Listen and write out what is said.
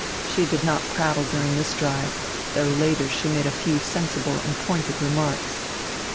She did not prattle during this drive, though later she made a few sensible and pointed remarks.